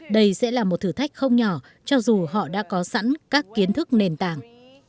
đây sẽ là một thử thách không nhỏ cho dù họ đã có sẵn các kiến thức nền tảng